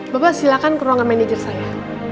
bapak silakan ke ruangan manajer saya